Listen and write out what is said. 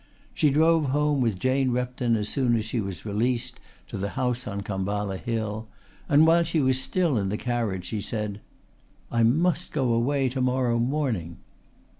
She drove home with Jane Repton as soon as she was released, to the house on Khamballa Hill, and while she was still in the carriage she said: "I must go away to morrow morning."